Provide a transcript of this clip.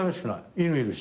犬いるし。